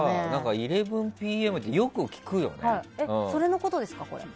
１１ＰＭってそれのことですか？